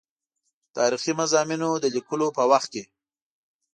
تاریخي مضامینو د لیکلو په وخت کې.